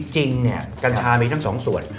จริงเนี่ยกัญชามีทั้ง๒ส่วน